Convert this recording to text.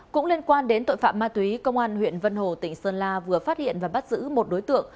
cũng liên quan đến tội phạm ma túy công an huyện vân hồ tỉnh sơn la vừa phát hiện và bắt giữ một đối tượng